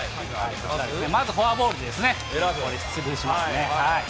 まずフォアボールですね、出塁しますね。